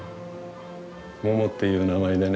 モモっていう名前でね